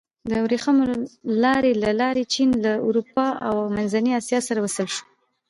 د ورېښمو لارې له لارې چین له اروپا او منځنۍ اسیا سره وصل شو.